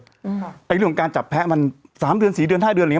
เรื่องของการจับแพ้สามเดือนสี่เดือนห้าเดือน